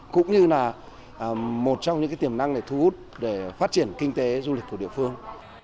cũng như là một trong những tiềm năng để thu hút để phát triển kinh tế du lịch của địa phương